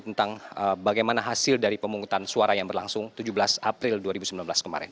tentang bagaimana hasil dari pemungutan suara yang berlangsung tujuh belas april dua ribu sembilan belas kemarin